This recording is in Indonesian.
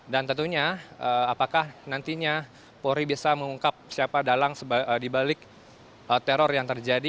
dan tentunya apakah nantinya polri bisa mengungkap siapa dalang dibalik teror yang terjadi